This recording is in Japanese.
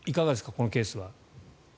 こちらのケースは。